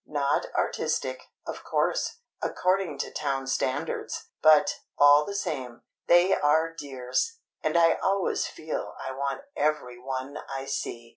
Not artistic, of course, according to town standards, but, all the same, they are dears; and I always feel I want every one I see.